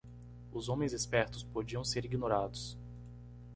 Os homens espertos podiam ser ignorados.